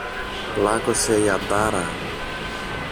Πλάκωσε η αντάρα!